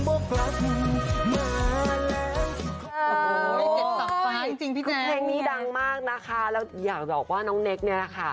โอ้โหเพลงนี้ดังมากนะคะแล้วอยากบอกว่าน้องเน็กเนี่ยแหละค่ะ